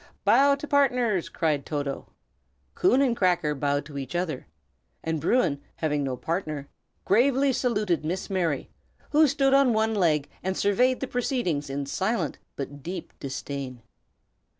"Bow to partners!" cried Toto. Coon and Cracker bowed to each other; and Bruin, having no partner, gravely saluted Miss Mary, who stood on one leg and surveyed the proceedings in silent but deep disdain.